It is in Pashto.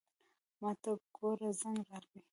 ماته له کوره زنګ راغی.